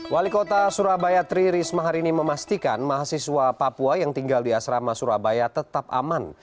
wali kota surabaya tri risma hari ini memastikan mahasiswa papua yang tinggal di asrama surabaya tetap aman